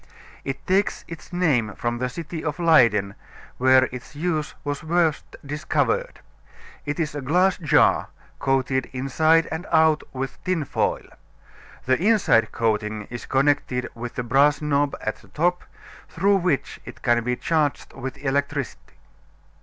It takes its name from the city of Leyden, where its use was first discovered. It is a glass jar, coated inside and out with tin foil. The inside coating is connected with a brass knob at the top, through which it can be charged with electricity.